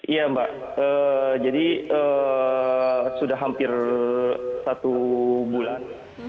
iya mbak jadi sudah hampir satu bulan